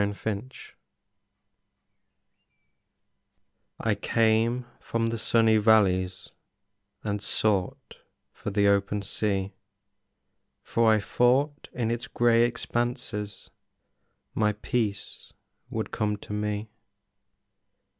The River I came from the sunny valleys And sought for the open sea, For I thought in its gray expanses My peace would come to me.